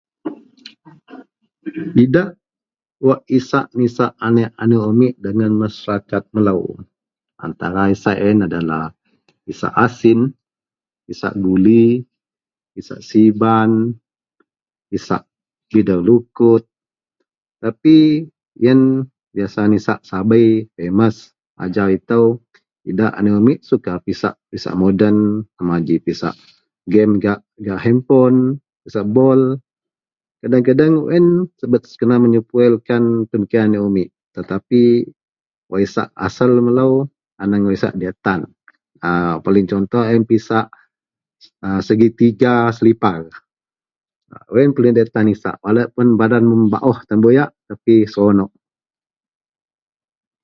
Idak wak isak nisak aneak-aneak umik dagen masarakat melou, antara isak yen adalah isak asin, isak guli, isak siban, isak bidar lukut tapi yen biyasa nisak sabei pemes. Ajau itou idak aneak umit suka pisak isak moden sama ji pisak gem gak gak henpon, pisak bol. Kadeang-kadeang wak yen subet kena menyepowelkan pemikiran aneak umit tetapi wak isak asel melou aneang wak isak diyak tan. A paling contoh yen pisak a segi tiga selipar. Wak yen paling diyak tan isak anekpun badan membaoh tan buyak tapi seronok.